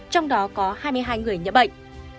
trong đó có hai mươi hai người nhận bệnh